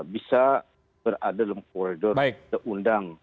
bisa berada dalam koridor terundang